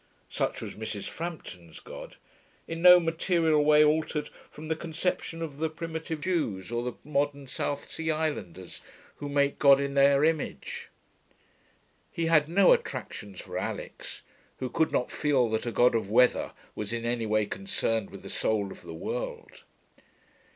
Such was Mrs. Frampton's God, in no material way altered from the conception of the primitive Jews or the modern South Sea Islanders, who make God in their image. He had no attractions for Alix, who could not feel that a God of weather was in any way concerned with the soul of the world.